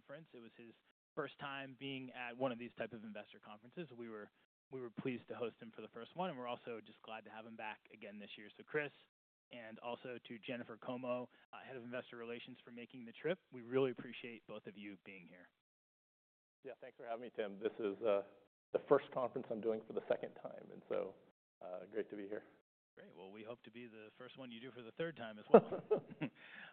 This conference. It was his first time being at one of these types of investor conferences. We were pleased to host him for the first one, and we're also just glad to have him back again this year. So, Chris, and also to Jennifer Como, Head of Investor Relations, for making the trip. We really appreciate both of you being here. Yeah, thanks for having me, Tim. This is the first conference I'm doing for the second time, and so great to be here. Great. Well, we hope to be the first one you do for the third time as well.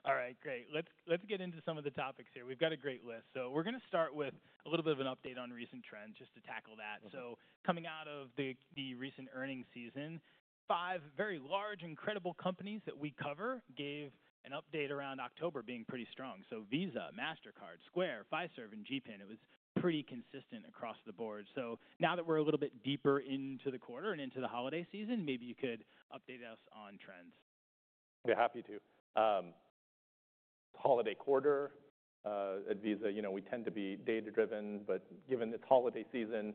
All right, great. Let's get into some of the topics here. We've got a great list. So, we're going to start with a little bit of an update on recent trends, just to tackle that. So, coming out of the recent earnings season, five very large, incredible companies that we cover gave an update around October being pretty strong. So, Visa, Mastercard, Square, Fiserv, and GPN. It was pretty consistent across the board. So, now that we're a little bit deeper into the quarter and into the holiday season, maybe you could update us on trends. Yeah, happy to. It's a holiday quarter at Visa. You know, we tend to be data-driven, but given it's holiday season,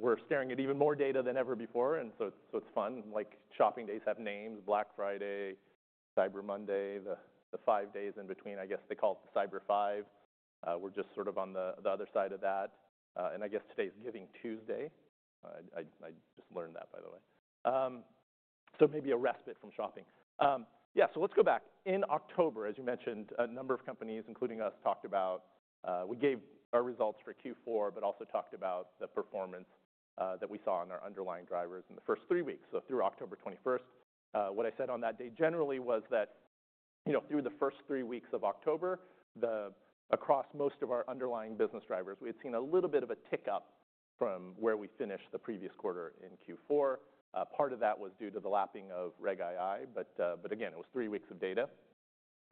we're staring at even more data than ever before, and so it's fun. Like, shopping days have names: Black Friday, Cyber Monday, the five days in between, I guess they call it the Cyber Five. We're just sort of on the other side of that, and I guess today's Giving Tuesday. I just learned that, by the way, so maybe a respite from shopping. Yeah, so let's go back. In October, as you mentioned, a number of companies, including us, talked about, we gave our results for Q4, but also talked about the performance that we saw in our underlying drivers in the first three weeks. So, through October 21st, what I said on that day generally was that, you know, through the first three weeks of October, across most of our underlying business drivers, we had seen a little bit of a tick up from where we finished the previous quarter in Q4. Part of that was due to the lapping of Reg II, but again, it was three weeks of data.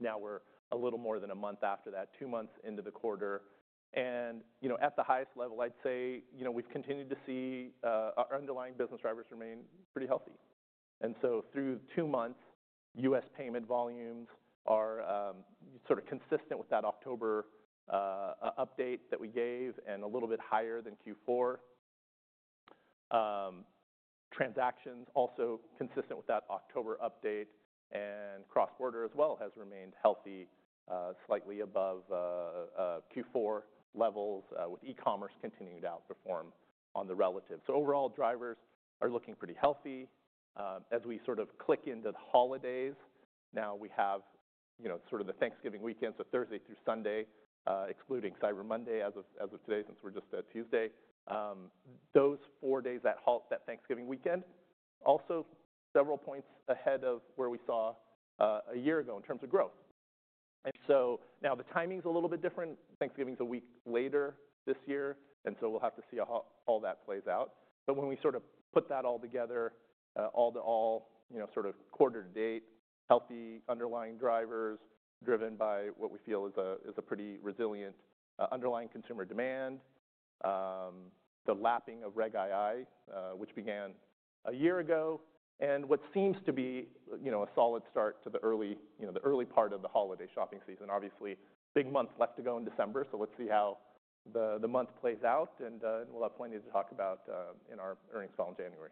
Now we're a little more than a month after that, two months into the quarter. And, you know, at the highest level, I'd say, you know, we've continued to see our underlying business drivers remain pretty healthy. And so, through two months, U.S. payment volumes are sort of consistent with that October update that we gave and a little bit higher than Q4. Transactions also consistent with that October update, and cross-border as well has remained healthy, slightly above Q4 levels, with e-commerce continuing to outperform on the relative. Overall, drivers are looking pretty healthy. As we sort of click into the holidays, now we have, you know, sort of the Thanksgiving weekend, so Thursday through Sunday, excluding Cyber Monday as of today, since we're just at Tuesday. Those four days, that Thanksgiving weekend, also several points ahead of where we saw a year ago in terms of growth. Now the timing's a little bit different. Thanksgiving's a week later this year, and so we'll have to see how all that plays out. But when we sort of put that all together, all to all, you know, sort of quarter to date, healthy underlying drivers driven by what we feel is a pretty resilient underlying consumer demand, the lapping of Reg II, which began a year ago, and what seems to be, you know, a solid start to the early part of the holiday shopping season. Obviously, big month left to go in December, so let's see how the month plays out, and we'll have plenty to talk about in our earnings call in January.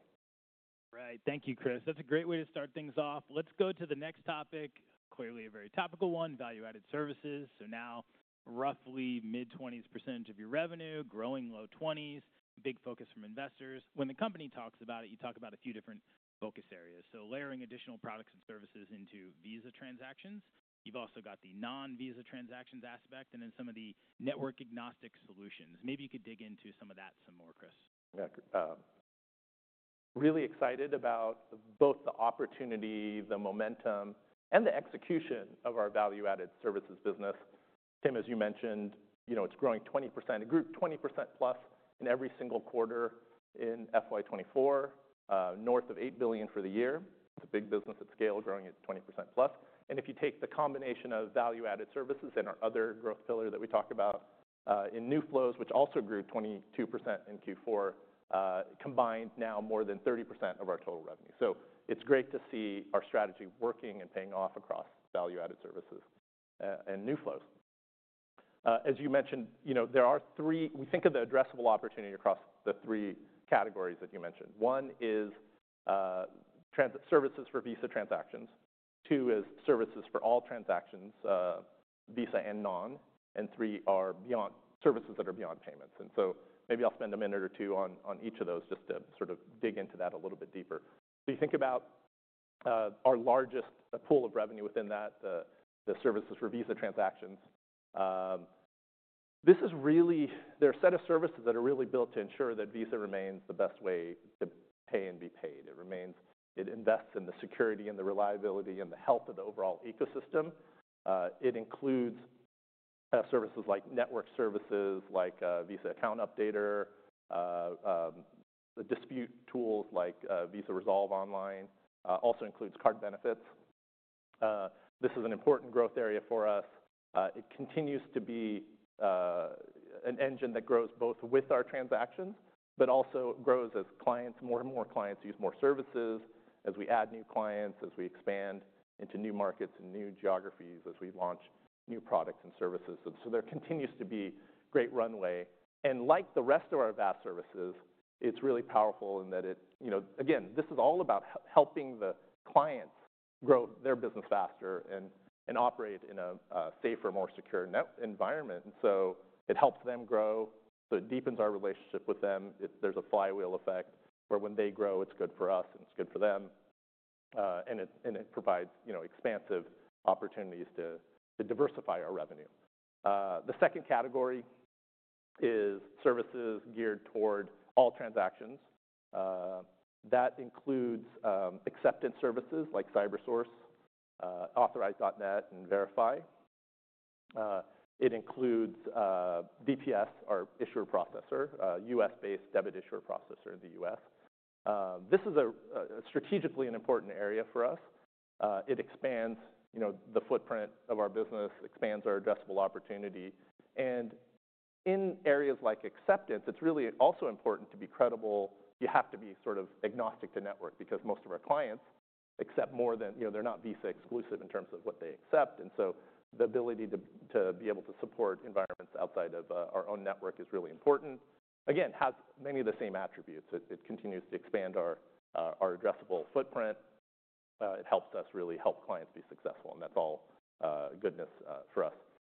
Right. Thank you, Chris. That's a great way to start things off. Let's go to the next topic, clearly a very topical one, value-added services. So now, roughly mid-20s% of your revenue, growing low 20s%, big focus from investors. When the company talks about it, you talk about a few different focus areas. So, layering additional products and services into Visa transactions. You've also got the non-Visa transactions aspect, and then some of the network-agnostic solutions. Maybe you could dig into some of that some more, Chris. Yeah. Really excited about both the opportunity, the momentum, and the execution of our value-added services business. Tim, as you mentioned, you know, it's growing 20%, a group 20%+ in every single quarter in FY 2024, north of $8 billion for the year. It's a big business at scale, growing at 20%+. And if you take the combination of value-added services and our other growth pillar that we talk about in new flows, which also grew 22% in Q4, combined now more than 30% of our total revenue. So, it's great to see our strategy working and paying off across value-added services and new flows. As you mentioned, you know, there are three we think of the addressable opportunity across the three categories that you mentioned. One is services for Visa transactions. Two is services for all transactions, Visa and non. And three are services that are beyond payments. And so, maybe I'll spend a minute or two on each of those just to sort of dig into that a little bit deeper. So, you think about our largest pool of revenue within that, the services for Visa transactions. This is really. There are a set of services that are really built to ensure that Visa remains the best way to pay and be paid. It remains. It invests in the security and the reliability and the health of the overall ecosystem. It includes services like network services, like Visa Account Updater, dispute tools like Visa Resolve Online. Also includes card benefits. This is an important growth area for us. It continues to be an engine that grows both with our transactions, but also grows as clients, more and more clients use more services, as we add new clients, as we expand into new markets and new geographies, as we launch new products and services. There continues to be great runway. Like the rest of our VAS service, it's really powerful in that it, you know, again, this is all about helping the clients grow their business faster and operate in a safer, more secure environment. It helps them grow, so it deepens our relationship with them. There's a flywheel effect where when they grow, it's good for us and it's good for them, and it provides, you know, expansive opportunities to diversify our revenue. The second category is services geared toward all transactions. That includes acceptance services like Cybersource, Authorize.net, and Verifi. It includes DPS, our issuer processor, U.S.-based debit issuer processor in the U.S. This is strategically an important area for us. It expands, you know, the footprint of our business, expands our addressable opportunity. And in areas like acceptance, it's really also important to be credible. You have to be sort of agnostic to network because most of our clients accept more than, you know, they're not Visa-exclusive in terms of what they accept. And so, the ability to be able to support environments outside of our own network is really important. Again, it has many of the same attributes. It continues to expand our addressable footprint. It helps us really help clients be successful, and that's all goodness for us.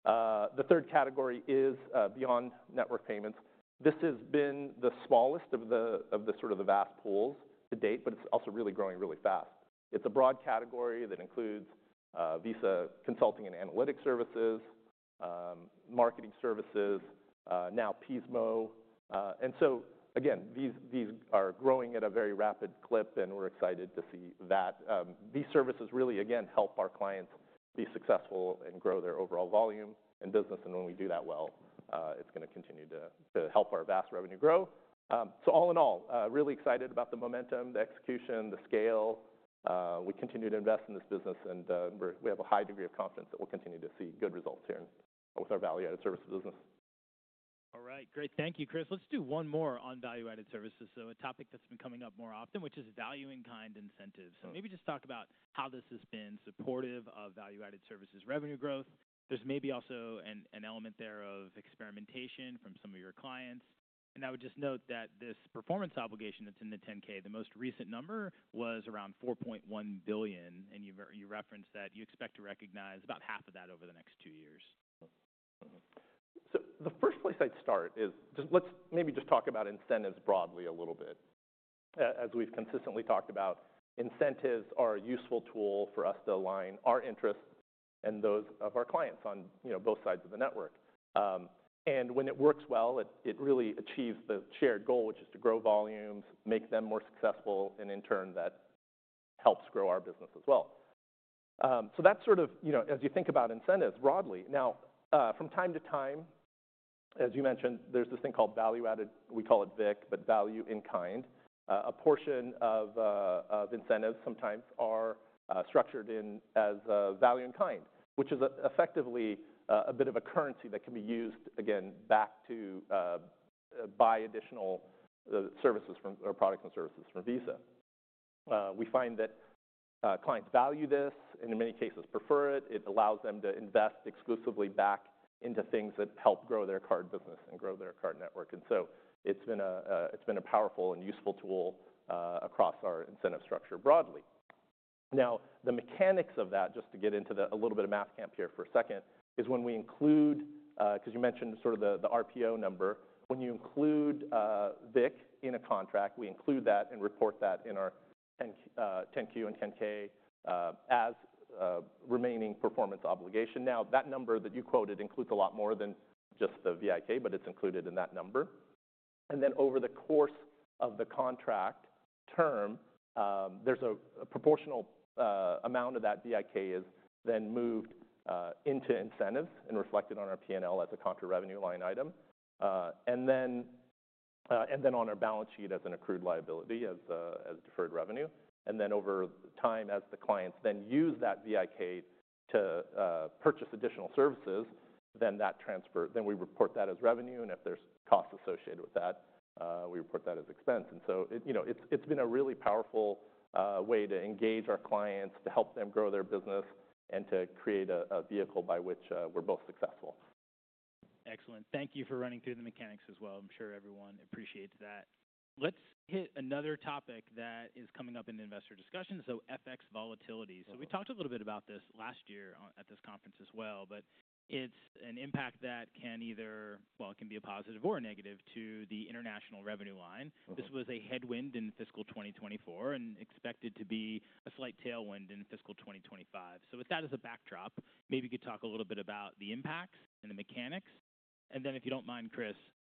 The third category is beyond network payments. This has been the smallest of the sort of the VAS pools to date, but it's also really growing really fast. It's a broad category that includes Visa Consulting and Analytics, Marketing Services, now Pismo. And so, again, these are growing at a very rapid clip, and we're excited to see that. These services really, again, help our clients be successful and grow their overall volume and business. And when we do that well, it's going to continue to help our Visa revenue grow. So, all in all, really excited about the momentum, the execution, the scale. We continue to invest in this business, and we have a high degree of confidence that we'll continue to see good results here with our value-added services business. All right. Great. Thank you, Chris. Let's do one more on value-added services. So, a topic that's been coming up more often, which is value-in-kind incentives. So, maybe just talk about how this has been supportive of value-added services revenue growth. There's maybe also an element there of experimentation from some of your clients. And I would just note that this performance obligation that's in the 10-K, the most recent number was around $4.1 billion, and you referenced that you expect to recognize about half of that over the next two years. So, the first place I'd start is just let's maybe just talk about incentives broadly a little bit. As we've consistently talked about, incentives are a useful tool for us to align our interests and those of our clients on, you know, both sides of the network. And when it works well, it really achieves the shared goal, which is to grow volumes, make them more successful, and in turn, that helps grow our business as well. So, that's sort of, you know, as you think about incentives broadly. Now, from time to time, as you mentioned, there's this thing called value-in-kind, we call it VIK, but value-in-kind. A portion of incentives sometimes are structured in as value-in-kind, which is effectively a bit of a currency that can be used, again, back to buy additional services or products and services from Visa. We find that clients value this and, in many cases, prefer it. It allows them to invest exclusively back into things that help grow their card business and grow their card network. And so, it's been a powerful and useful tool across our incentive structure broadly. Now, the mechanics of that, just to get into a little bit of math camp here for a second, is when we include, because you mentioned sort of the RPO number, when you include VIK in a contract, we include that and report that in our 10-Q and 10-K as remaining performance obligation. Now, that number that you quoted includes a lot more than just the VIK, but it's included in that number. And then, over the course of the contract term, there's a proportional amount of that VIK is then moved into incentives and reflected on our P&L as a contra revenue line item. And then, on our balance sheet as an accrued liability as deferred revenue. And then, over time, as the clients then use that VIK to purchase additional services, then that transfer, then we report that as revenue. And if there's costs associated with that, we report that as expense. And so, you know, it's been a really powerful way to engage our clients, to help them grow their business, and to create a vehicle by which we're both successful. Excellent. Thank you for running through the mechanics as well. I'm sure everyone appreciates that. Let's hit another topic that is coming up in investor discussions, so FX volatility. So, we talked a little bit about this last year at this conference as well, but it's an impact that can either, well, it can be a positive or a negative to the international revenue line. This was a headwind in fiscal 2024 and expected to be a slight tailwind in fiscal 2025. So, with that as a backdrop, maybe you could talk a little bit about the impacts and the mechanics. And then, if you don't mind, Chris,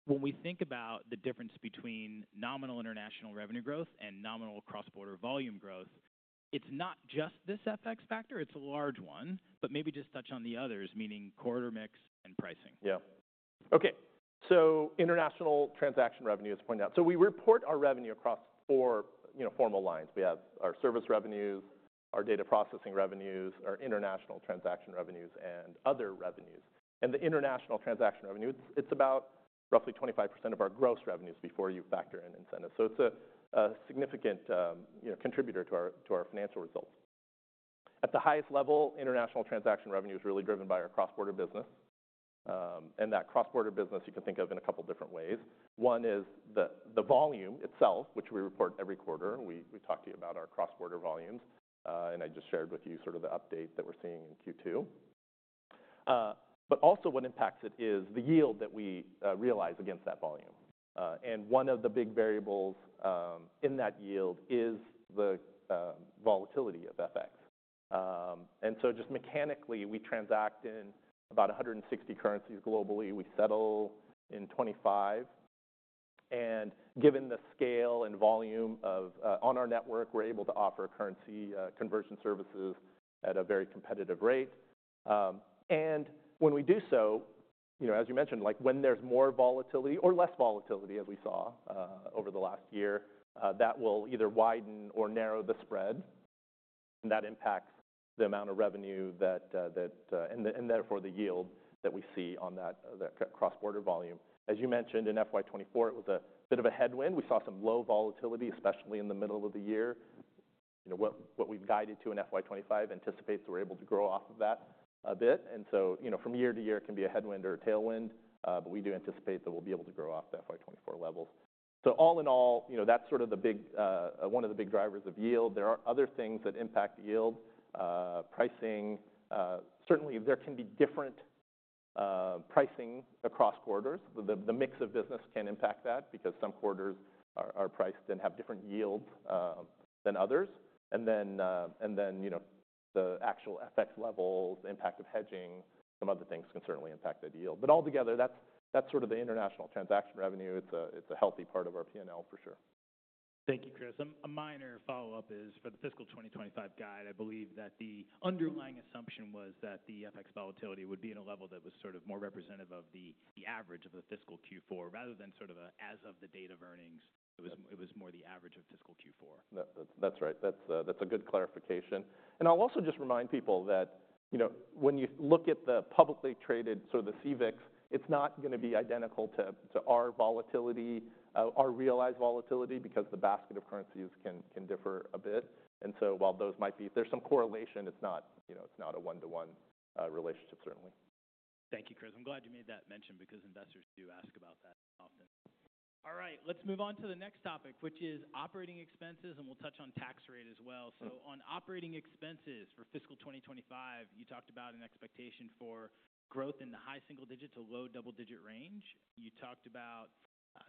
when we think about the difference between nominal international revenue growth and nominal cross-border volume growth, it's not just this FX factor, it's a large one, but maybe just touch on the others, meaning quarter mix and pricing. Yeah. Okay. So international transaction revenue, as pointed out. We report our revenue across four, you know, formal lines. We have our service revenues, our data processing revenues, our international transaction revenues, and other revenues. And the international transaction revenue, it's about roughly 25% of our gross revenues before you factor in incentives. So it's a significant, you know, contributor to our financial results. At the highest level, international transaction revenue is really driven by our cross-border business. And that cross-border business, you can think of in a couple different ways. One is the volume itself, which we report every quarter. We talk to you about our cross-border volumes, and I just shared with you sort of the update that we're seeing in Q2. But also, what impacts it is the yield that we realize against that volume. One of the big variables in that yield is the volatility of FX. So, just mechanically, we transact in about 160 currencies globally. We settle in 25. Given the scale and volume on our network, we're able to offer currency conversion services at a very competitive rate. When we do so, you know, as you mentioned, like when there's more volatility or less volatility, as we saw over the last year, that will either widen or narrow the spread. That impacts the amount of revenue that, and therefore the yield that we see on that cross-border volume. As you mentioned, in FY 2024, it was a bit of a headwind. We saw some low volatility, especially in the middle of the year. You know, what we've guided to in FY 2025 anticipates we're able to grow off of that a bit. And so, you know, from year to year, it can be a headwind or a tailwind, but we do anticipate that we'll be able to grow off the FY 2024 levels. So, all in all, you know, that's sort of the big, one of the big drivers of yield. There are other things that impact yield, pricing. Certainly, there can be different pricing across quarters. The mix of business can impact that because some quarters are priced and have different yields than others. And then, you know, the actual FX levels, the impact of hedging, some other things can certainly impact that yield. But altogether, that's sort of the international transaction revenue. It's a healthy part of our P&L for sure. Thank you, Chris. A minor follow-up is for the fiscal 2025 guide, I believe that the underlying assumption was that the FX volatility would be at a level that was sort of more representative of the average of the fiscal Q4 rather than sort of an as-of-the-date of earnings. It was more the average of fiscal Q4. That's right. That's a good clarification. And I'll also just remind people that, you know, when you look at the publicly traded sort of the CVIX, it's not going to be identical to our volatility, our realized volatility because the basket of currencies can differ a bit. And so, while those might be, there's some correlation, it's not, you know, it's not a one-to-one relationship, certainly. Thank you, Chris. I'm glad you made that mention because investors do ask about that often. All right. Let's move on to the next topic, which is operating expenses, and we'll touch on tax rate as well. So, on operating expenses for fiscal 2025, you talked about an expectation for growth in the high single-digit to low double-digit range. You talked about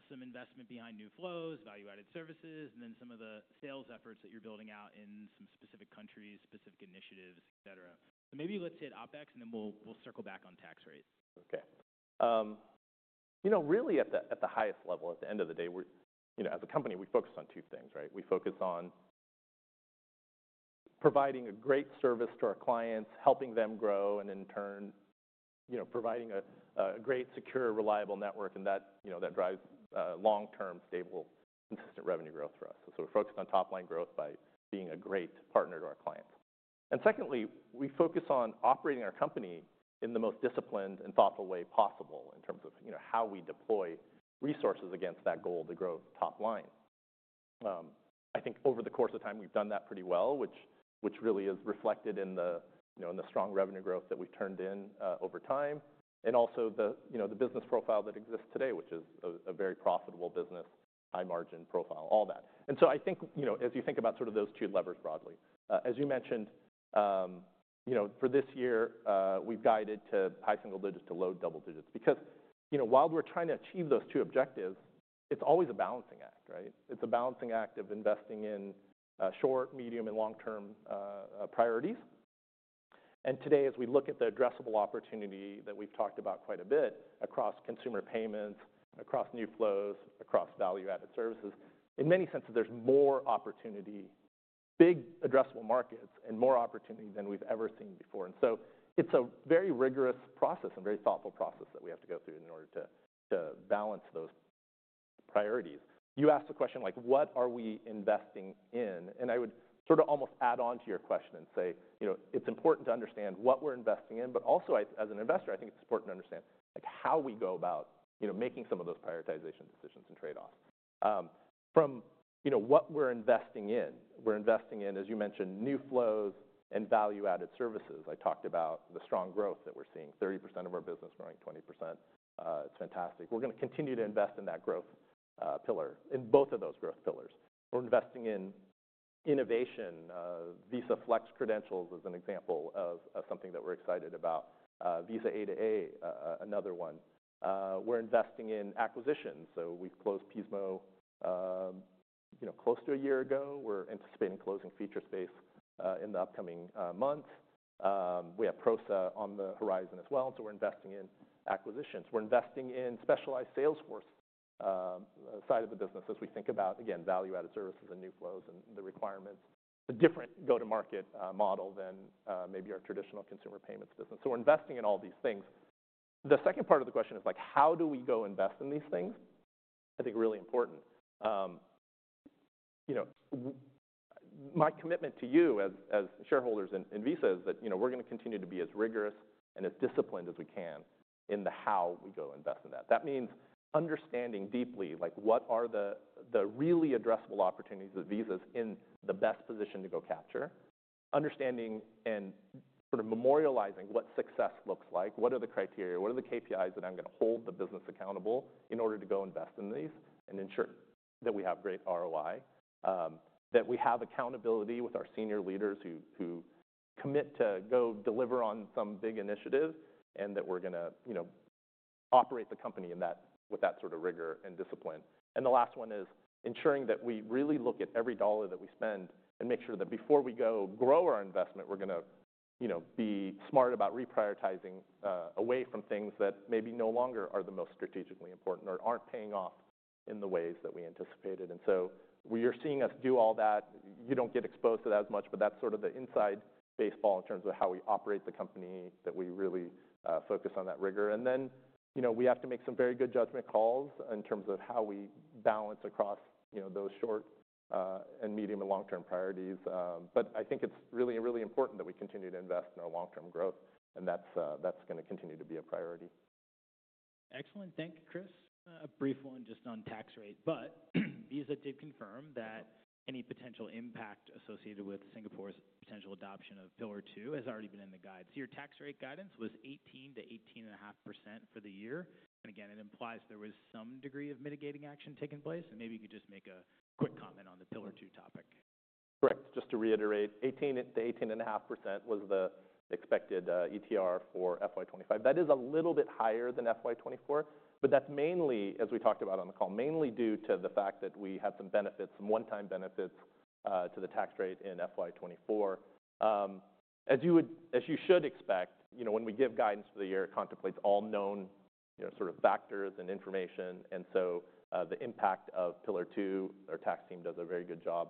some investment behind new flows, value-added services, and then some of the sales efforts that you're building out in some specific countries, specific initiatives, et cetera. So maybe let's hit OpEx, and then we'll circle back on tax rate. Okay. You know, really at the highest level, at the end of the day, you know, as a company, we focus on two things, right? We focus on providing a great service to our clients, helping them grow, and in turn, you know, providing a great, secure, reliable network, and that, you know, that drives long-term, stable, consistent revenue growth for us, so we're focused on top-line growth by being a great partner to our clients, and secondly, we focus on operating our company in the most disciplined and thoughtful way possible in terms of, you know, how we deploy resources against that goal to grow top-line. I think over the course of time, we've done that pretty well, which really is reflected in the, you know, in the strong revenue growth that we've turned in over time, and also the, you know, the business profile that exists today, which is a very profitable business, high-margin profile, all that, and so I think, you know, as you think about sort of those two levers broadly, as you mentioned, you know, for this year, we've guided to high single digits to low double digits because, you know, while we're trying to achieve those two objectives, it's always a balancing act, right? It's a balancing act of investing in short, medium, and long-term priorities. And today, as we look at the addressable opportunity that we've talked about quite a bit across consumer payments, across new flows, across value-added services, in many senses, there's more opportunity, big addressable markets, and more opportunity than we've ever seen before. And so it's a very rigorous process and very thoughtful process that we have to go through in order to balance those priorities. You asked a question like, what are we investing in? And I would sort of almost add on to your question and say, you know, it's important to understand what we're investing in, but also as an investor, I think it's important to understand like how we go about, you know, making some of those prioritization decisions and trade-offs. From, you know, what we're investing in, we're investing in, as you mentioned, new flows and value-added services. I talked about the strong growth that we're seeing, 30% of our business growing, 20%. It's fantastic. We're going to continue to invest in that growth pillar and both of those growth pillars. We're investing in innovation. Visa Flex Credential is an example of something that we're excited about. Visa A2A, another one. We're investing in acquisitions. So we closed Pismo, you know, close to a year ago. We're anticipating closing Featurespace in the upcoming months. We have Prosa on the horizon as well. And so we're investing in acquisitions. We're investing in specialized sales force side of the business as we think about, again, value-added services and new flows and the requirements, a different go-to-market model than maybe our traditional consumer payments business. So we're investing in all these things. The second part of the question is like, how do we go invest in these things? I think really important. You know, my commitment to you as shareholders in Visa is that, you know, we're going to continue to be as rigorous and as disciplined as we can in the how we go invest in that. That means understanding deeply like what are the really addressable opportunities that Visa is in the best position to go capture, understanding and sort of memorializing what success looks like, what are the criteria, what are the KPIs that I'm going to hold the business accountable in order to go invest in these and ensure that we have great ROI, that we have accountability with our senior leaders who commit to go deliver on some big initiative, and that we're going to, you know, operate the company with that sort of rigor and discipline. And the last one is ensuring that we really look at every dollar that we spend and make sure that before we go grow our investment, we're going to, you know, be smart about reprioritizing away from things that maybe no longer are the most strategically important or aren't paying off in the ways that we anticipated. And so we are seeing us do all that. You don't get exposed to that as much, but that's sort of the inside baseball in terms of how we operate the company that we really focus on that rigor. And then, you know, we have to make some very good judgment calls in terms of how we balance across, you know, those short and medium and long-term priorities. But I think it's really, really important that we continue to invest in our long-term growth, and that's going to continue to be a priority. Excellent. Thank you, Chris. A brief one just on tax rate, but Visa did confirm that any potential impact associated with Singapore's potential adoption of Pillar Two has already been in the guide. So your tax rate guidance was 18%-18.5% for the year. And again, it implies there was some degree of mitigating action taken place. And maybe you could just make a quick comment on the Pillar Two topic? Correct. Just to reiterate, the 18.5% was the expected ETR for FY 2025. That is a little bit higher than FY 2024, but that's mainly, as we talked about on the call, mainly due to the fact that we had some benefits, some one-time benefits to the tax rate in FY 2024. As you should expect, you know, when we give guidance for the year, it contemplates all known, you know, sort of factors and information. And so the impact of Pillar Two, our tax team does a very good job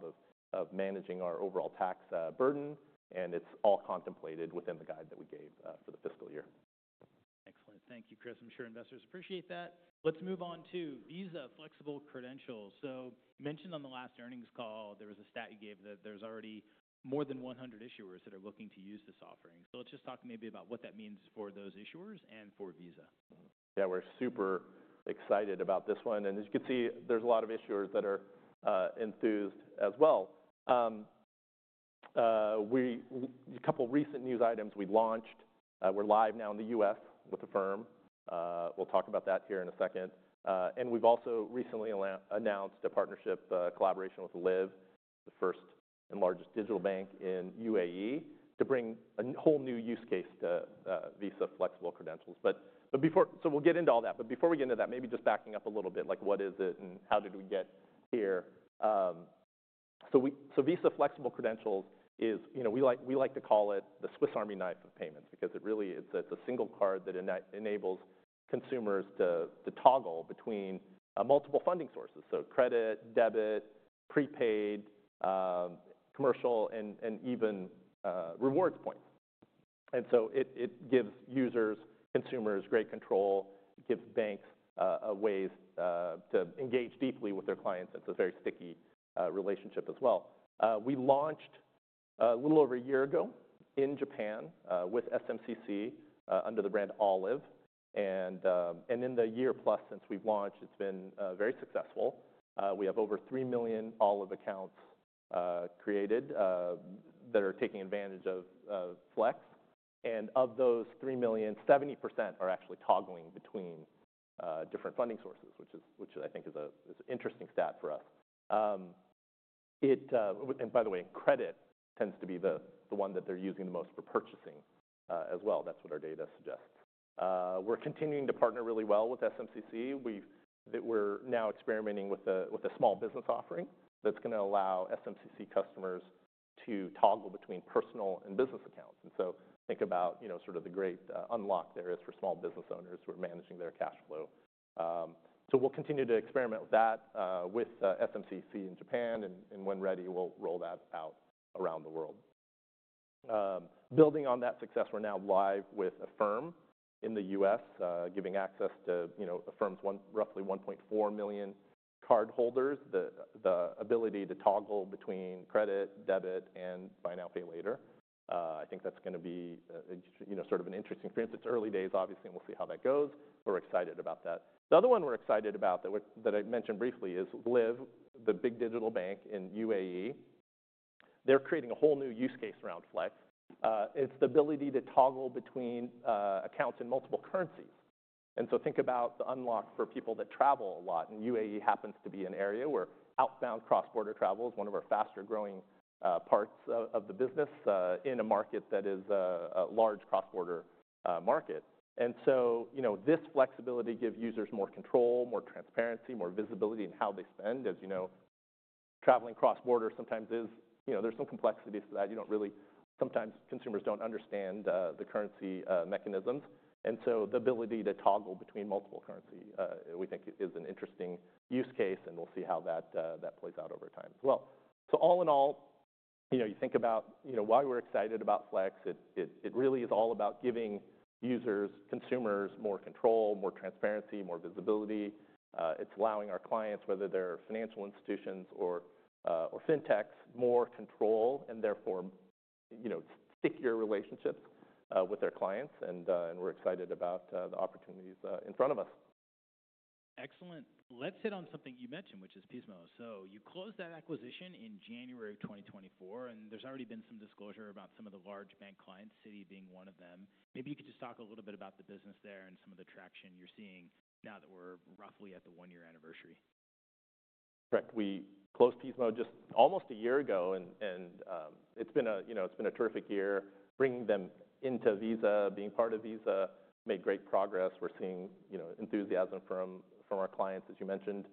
of managing our overall tax burden, and it's all contemplated within the guide that we gave for the fiscal year. Excellent. Thank you, Chris. I'm sure investors appreciate that. Let's move on to Visa Flexible Credential. You mentioned on the last earnings call, there was a stat you gave that there's already more than 100 issuers that are looking to use this offering. Let's just talk maybe about what that means for those issuers and for Visa. Yeah, we're super excited about this one and, as you can see, there's a lot of issuers that are enthused as well. A couple of recent news items, we launched; we're live now in the U.S. with Affirm. We'll talk about that here in a second and we've also recently announced a partnership collaboration with Liv, the first and largest digital bank in UAE, to bring a whole new use case to Visa Flexible Credential. But before we get into that, maybe just backing up a little bit, like what is it and how did we get here? So Visa Flexible Credential is, you know, we like to call it the Swiss Army Knife of payments because it really, it's a single card that enables consumers to toggle between multiple funding sources, so credit, debit, prepaid, commercial, and even rewards points. And so it gives users, consumers great control, gives banks ways to engage deeply with their clients. It's a very sticky relationship as well. We launched a little over a year ago in Japan with SMCC under the brand Olive. And in the year plus since we've launched, it's been very successful. We have over three million Olive accounts created that are taking advantage of Flex. And of those three million, 70% are actually toggling between different funding sources, which I think is an interesting stat for us. And by the way, credit tends to be the one that they're using the most for purchasing as well. That's what our data suggests. We're continuing to partner really well with SMCC. We're now experimenting with a small business offering that's going to allow SMCC customers to toggle between personal and business accounts. Think about, you know, sort of the great unlock there is for small business owners who are managing their cash flow. So we'll continue to experiment with that with SMCC in Japan, and when ready, we'll roll that out around the world. Building on that success, we're now live with Affirm in the U.S. giving access to, you know, Affirm's roughly 1.4 million cardholders, the ability to toggle between credit, debit, and buy now, pay later. I think that's going to be, you know, sort of an interesting experience. It's early days, obviously, and we'll see how that goes, but we're excited about that. The other one we're excited about that I mentioned briefly is Liv, the big digital bank in UAE. They're creating a whole new use case around Flex. It's the ability to toggle between accounts in multiple currencies. And so think about the unlock for people that travel a lot. And UAE happens to be an area where outbound cross-border travel is one of our faster growing parts of the business in a market that is a large cross-border market. And so, you know, this flexibility gives users more control, more transparency, more visibility in how they spend. As you know, traveling cross-border sometimes is, you know, there's some complexities to that. You don't really, sometimes consumers don't understand the currency mechanisms. And so the ability to toggle between multiple currency, we think is an interesting use case, and we'll see how that plays out over time as well. So all in all, you know, you think about, you know, why we're excited about Flex. It really is all about giving users, consumers more control, more transparency, more visibility. It's allowing our clients, whether they're financial institutions or fintechs, more control and therefore, you know, stickier relationships with their clients, and we're excited about the opportunities in front of us. Excellent. Let's hit on something you mentioned, which is Pismo. So you closed that acquisition in January 2024, and there's already been some disclosure about some of the large bank clients, Citi being one of them. Maybe you could just talk a little bit about the business there and some of the traction you're seeing now that we're roughly at the one-year anniversary. Correct. We closed Pismo just almost a year ago, and it's been a, you know, it's been a terrific year. Bringing them into Visa, being part of Visa, made great progress. We're seeing, you know, enthusiasm from our clients, as you mentioned.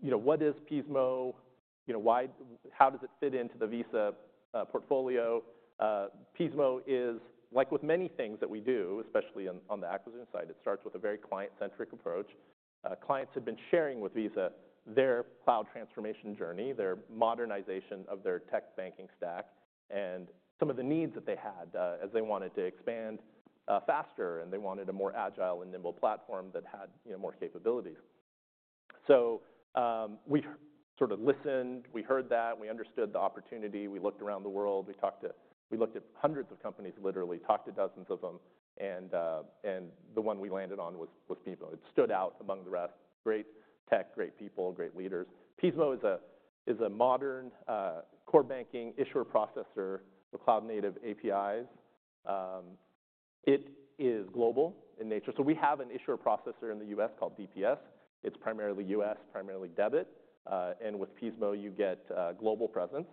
You know, what is Pismo? You know, how does it fit into the Visa portfolio? Pismo is, like with many things that we do, especially on the acquisition side, it starts with a very client-centric approach. Clients had been sharing with Visa their cloud transformation journey, their modernization of their tech banking stack, and some of the needs that they had as they wanted to expand faster, and they wanted a more agile and nimble platform that had, you know, more capabilities. So we sort of listened, we heard that, we understood the opportunity, we looked around the world, we talked to, we looked at hundreds of companies, literally talked to dozens of them, and the one we landed on was Pismo. It stood out among the rest. Great tech, great people, great leaders. Pismo is a modern core banking issuer processor with cloud-native APIs. It is global in nature. So we have an issuer processor in the U.S. called DPS. It's primarily U.S., primarily debit. And with Pismo, you get a global presence,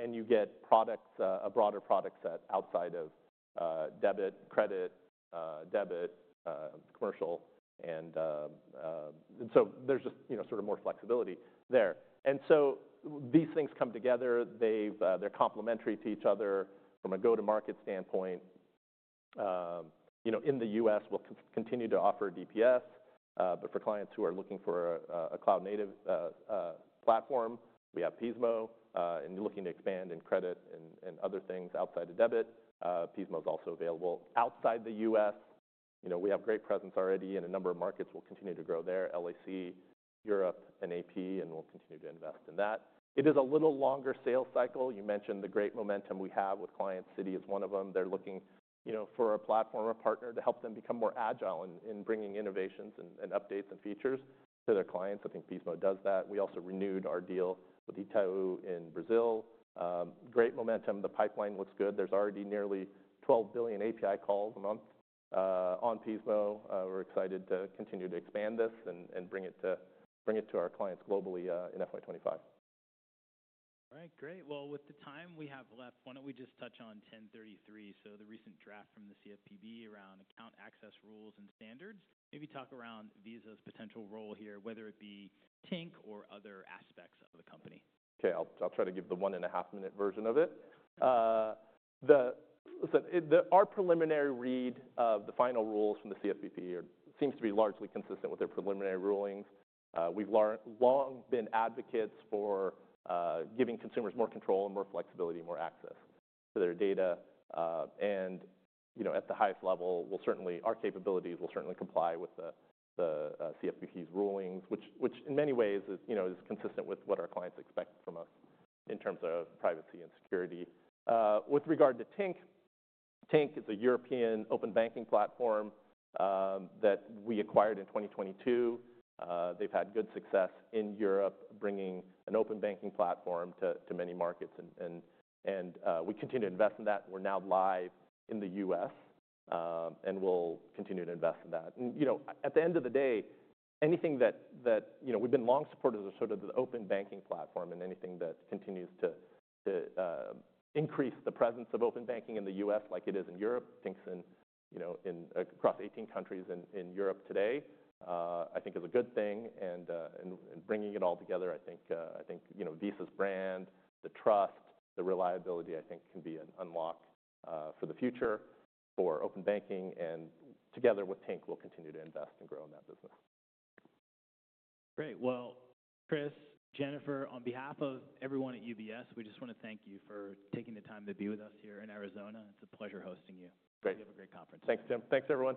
and you get products, a broader product set outside of debit, credit, debit, commercial. And so there's just, you know, sort of more flexibility there. And so these things come together. They're complementary to each other from a go-to-market standpoint. You know, in the U.S., we'll continue to offer DPS, but for clients who are looking for a cloud-native platform, we have Pismo. And you're looking to expand in credit and other things outside of debit, Pismo is also available outside the U.S. You know, we have great presence already in a number of markets. We'll continue to grow there, LAC, Europe, and AP, and we'll continue to invest in that. It is a little longer sales cycle. You mentioned the great momentum we have with clients. Citi is one of them. They're looking, you know, for a platform or partner to help them become more agile in bringing innovations and updates and features to their clients. I think Pismo does that. We also renewed our deal with Itaú in Brazil. Great momentum. The pipeline looks good. There's already nearly 12 billion API calls a month on Pismo. We're excited to continue to expand this and bring it to our clients globally in FY 2025. All right, great. Well, with the time we have left, why don't we just touch on 1033, so the recent draft from the CFPB around account access rules and standards? Maybe talk around Visa's potential role here, whether it be Tink or other aspects of the company. Okay, I'll try to give the one and a half minute version of it. Our preliminary read of the final rules from the CFPB seems to be largely consistent with their preliminary rulings. We've long been advocates for giving consumers more control and more flexibility, more access to their data. And, you know, at the highest level, we'll certainly, our capabilities will certainly comply with the CFPB's rulings, which in many ways, you know, is consistent with what our clients expect from us in terms of privacy and security. With regard to Tink, Tink is a European open banking platform that we acquired in 2022. They've had good success in Europe bringing an open banking platform to many markets, and we continue to invest in that. We're now live in the U.S., and we'll continue to invest in that. You know, at the end of the day, anything that, you know, we've been long supporters of sort of the open banking platform and anything that continues to increase the presence of open banking in the U.S. like it is in Europe, Tink's in, you know, across 18 countries in Europe today, I think, is a good thing. Bringing it all together, I think, you know, Visa's brand, the trust, the reliability, I think can be an unlock for the future for open banking. Together with Tink, we'll continue to invest and grow in that business. Great. Well, Chris, Jennifer, on behalf of everyone at UBS, we just want to thank you for taking the time to be with us here in Arizona. It's a pleasure hosting you. Great. We have a great conference. Thanks, Tim. Thanks everyone.